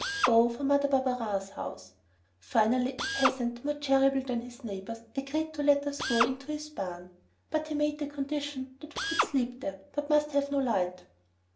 Oh, for Mother Barberin's house! Finally a peasant, more charitable than his neighbors, agreed to let us go into his barn. But he made the condition that we could sleep there, but must have no light.